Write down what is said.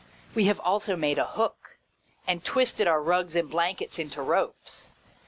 We have also made a hook, and twisted our rugs and blankets into ropes.